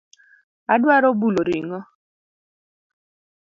Adwaro bulo ring'o.